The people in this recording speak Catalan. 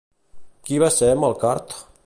Qui va ser Melcart?